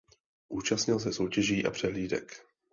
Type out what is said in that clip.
Účastnil se soutěží a přehlídek.